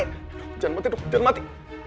jangan mati dong jangan mati